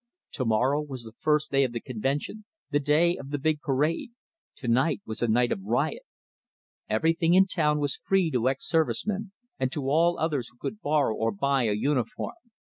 Tomorrow was the first day of the convention, the day of the big parade: tonight was a night of riot. Everything in town was free to ex service men and to all others who could borrow or buy a uniform.